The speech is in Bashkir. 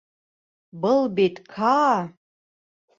Был бит Каа!